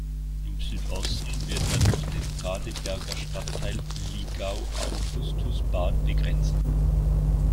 Im Südosten wird er durch den Radeberger Stadtteil Liegau-Augustusbad begrenzt.